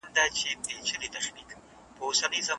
په خپلو کي مه جنګېږئ.